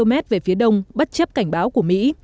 nó có một trăm linh km về phía đông bất chấp cảnh báo của mỹ